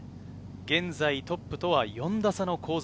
現在トップとは４打差の香妻